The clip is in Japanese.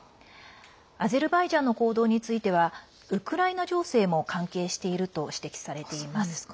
アゼルバイジャンの行動についてはウクライナ情勢も関係していると指摘されています。